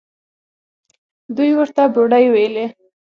دوى ورته بوړۍ ويله.